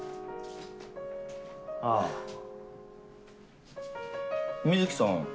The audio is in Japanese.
ああ美月さん